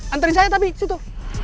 anterin saya tapi di situ